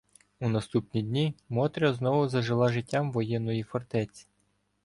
У наступні дні "Мотря” знову зажила життям воєнної фортеці.